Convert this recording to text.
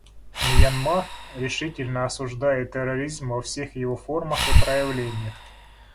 Мьянма решительно осуждает терроризм во всех его формах и проявлениях.